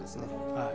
はい。